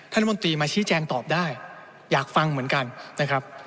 รัฐมนตรีมาชี้แจงตอบได้อยากฟังเหมือนกันนะครับ